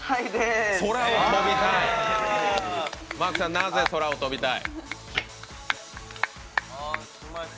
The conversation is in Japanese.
なぜ、空を飛びたい？